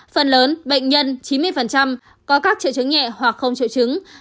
phần lớn bệnh nhân chín mươi có các triệu chứng nhẹ hoặc không triệu chứng